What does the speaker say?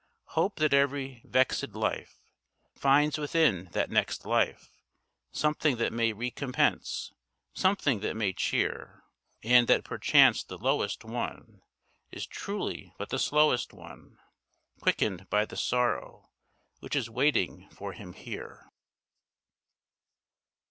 Hope that every vexed life, Finds within that next life, Something that may recompense, Something that may cheer. And that perchance the lowest one Is truly but the slowest one, Quickened by the sorrow Which is waiting for him here.